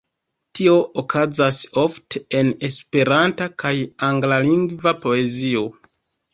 Tio okazas ofte en Esperanta kaj anglalingva poezio.